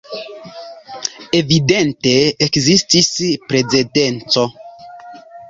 Evidente ekzistis precedenco.